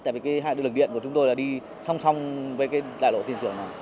tại vì cái hai đường điện của chúng tôi là đi song song với cái đại lộ thiên trường này